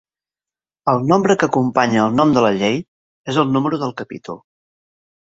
El nombre que acompanya el nom de la llei és el número del capítol.